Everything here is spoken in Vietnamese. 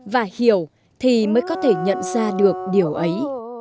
và hiểu thì mới có thể nhận ra được điều ấy